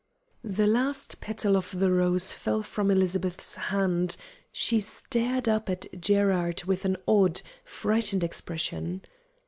The last petal of the rose fell from Elizabeth's hand, she stared up at Gerard with an odd, frightened expression.